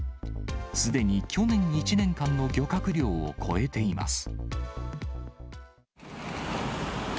すでに去年１年間の漁獲量を超えています。